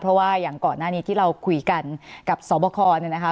เพราะว่าอย่างก่อนหน้านี้ที่เราคุยกันกับสอบคอเนี่ยนะคะ